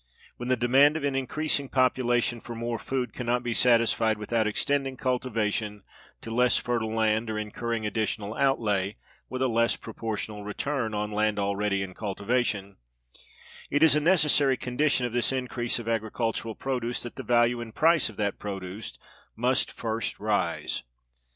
When the demand of an increasing population for more food can not be satisfied without extending cultivation to less fertile land, or incurring additional outlay, with a less proportional return, on land already in cultivation, it is a necessary condition of this increase of agricultural produce that the value and price of that produce must first rise.